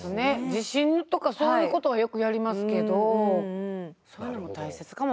地震とかそういうことはよくやりますけどそういうのも大切かも分からないですね。